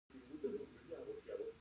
اوښ د افغانستان د ښاري پراختیا سبب کېږي.